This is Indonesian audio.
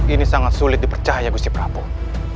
ini sangat sulit dipercaya gusi prabowo